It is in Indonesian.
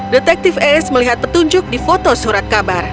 detektif ace melihat petunjuk di foto surat kabar